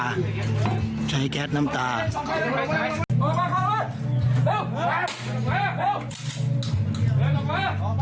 เดินลงมาเอาล่ะ